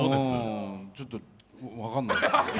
ちょっと分かんない。